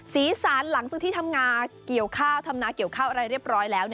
สีสันหลังจากที่ทำงาเกี่ยวข้าวทำนาเกี่ยวข้าวอะไรเรียบร้อยแล้ว